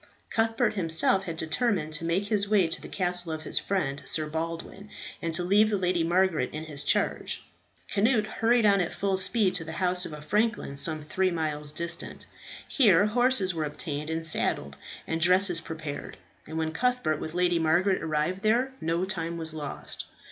Cuthbert himself had determined to make his way to the castle of his friend, Sir Baldwin, and to leave the Lady Margaret in his charge. Cnut hurried on at full speed to the house of a franklin, some three miles distant. Here horses were obtained and saddled, and dresses prepared; and when Cuthbert with Lady Margaret arrived there, no time was lost.